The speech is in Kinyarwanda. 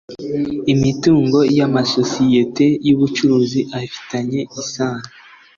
Imitungo y’amasosiyete y’ubucuruzi afitanye isano